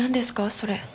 それ。